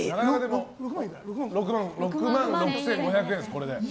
６万６５００円です、これで。